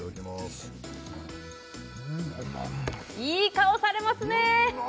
うんいい顔されますね